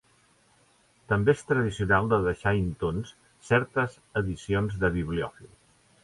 També és tradicional de deixar intons certes edicions de bibliòfil.